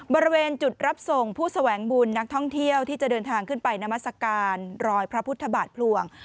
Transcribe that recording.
บริเวณจุดรับส่งผู้แสวงบุญนักท่องเที่ยวที่จะเดินทางขึ้นไปนามัศกาลรอยพระพุทธบาทพลวง